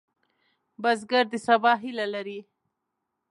بزګر د سبا هیله لري